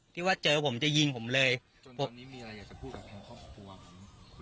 ที่ว่าเจอผมจะยิงผมเลยจนพวกนี้มีอะไรอยากจะพูดกับทางครอบครัวผม